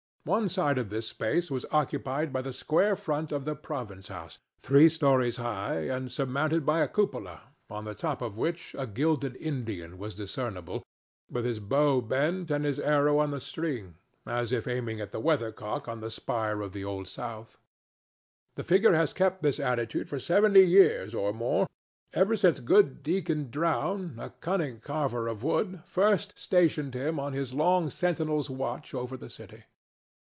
One side of this space was occupied by the square front of the Province House, three stories high and surmounted by a cupola, on the top of which a gilded Indian was discernible, with his bow bent and his arrow on the string, as if aiming at the weathercock on the spire of the Old South. The figure has kept this attitude for seventy years or more, ever since good Deacon Drowne, a cunning carver of wood, first stationed him on his long sentinel's watch over the city.